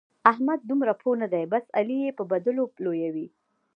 احمد دومره پوه نه دی؛ بس علي يې به بدلو لويوي.